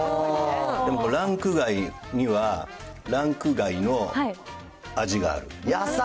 でもランク外にはランク外の味がある。